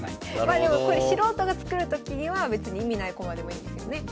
まあでもこれ素人が作るときには別に意味ない駒でもいいんですよね。